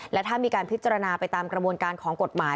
และถ้ามีการพิจารณาไปตามกระบวนการของกฎหมาย